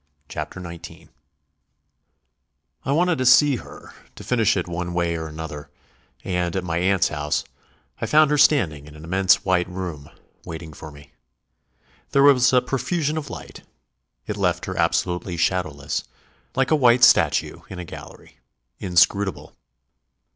CHAPTER NINETEEN I wanted to see her, to finish it one way or another, and, at my aunt's house, I found her standing in an immense white room; waiting for me. There was a profusion of light. It left her absolutely shadowless, like a white statue in a gallery; inscrutable.